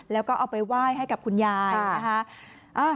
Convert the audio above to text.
แล้วก็เอาไปไหว้ให้กับคุณยายนะคะ